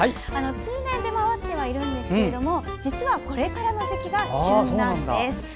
通年出回っていますが実はこれからの時期が旬なんです。